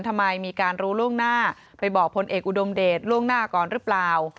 ทำไมมีการรู้ล่วงหน้าไปบอกพลเอกอุดมเดชล่วงหน้าก่อนหรือเปล่า